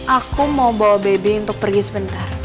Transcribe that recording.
aku mau bawa bau bebi untuk pergi sebentar